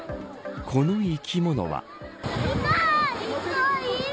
この生き物は。